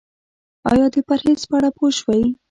ایا د پرهیز په اړه پوه شوئ؟